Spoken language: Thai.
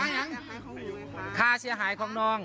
ใครของบุ๊คค้าเศียรายของน้อง